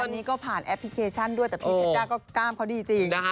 ตอนนี้ก็ผ่านแอปพลิเคชันด้วยแต่พี่เพชจ้าก็กล้ามเขาดีจริงนะคะ